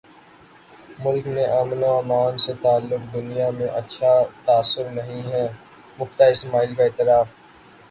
ملک میں امن امان سے متعلق دنیا میں اچھا تاثر نہیں ہے مفتاح اسماعیل کا اعتراف